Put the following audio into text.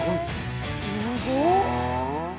すごっ。